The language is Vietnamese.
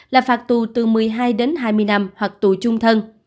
là phạt tù từ một mươi hai đến hai mươi năm hoặc tù chung thân